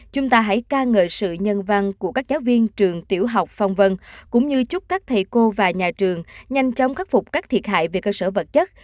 chúng ta hãy ca ngợi sự nhân văn của các giáo viên trường tiểu học phong vân cũng như chúc các thầy cô và nhà trường nhanh chóng khắc phục các thiệt hại về cơ sở vật chất